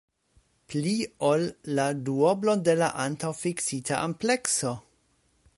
Pli ol la duoblon de la antaŭfiksita amplekso!